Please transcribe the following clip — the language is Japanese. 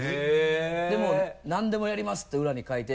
でもう「何でもやります」って裏に書いて。